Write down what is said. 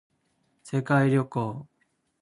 世界旅行